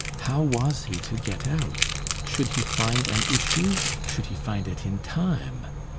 How was he to get out? should he find an issue? should he find it in time?